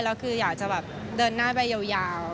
แล้วคืออยากจะแบบเดินหน้าไปยาว